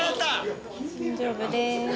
大丈夫です。